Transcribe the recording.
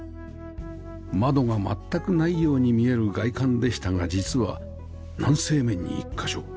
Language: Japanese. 窓が全くないように見える外観でしたが実は南西面に１カ所